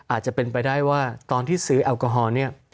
อาจจะเป็นไปได้ว่าตอนที่ซื้อแอลกอฮอล์เนี่ย